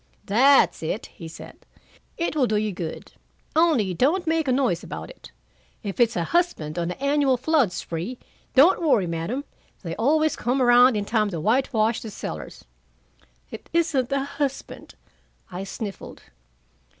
"That's it," he said. "It will do you good, only don't make a noise about it. If it's a husband on the annual flood spree, don't worry, madam. They always come around in time to whitewash the cellars." "It isn't a husband," I sniffled.